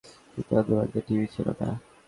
কিন্তু আমাদের বাড়িতে টিভি ছিল না।